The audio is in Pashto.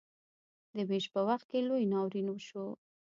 د ویش په وخت کې لوی ناورین وشو.